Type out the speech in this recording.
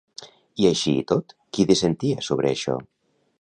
Així i tot, qui dissentia sobre això?